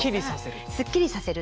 すっきりさせる。